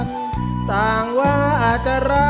ไม่ใช้ครับไม่ใช้ครับ